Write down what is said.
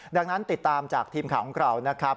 ดังนั้นติดตามจากทีมข่าวของเรานะครับ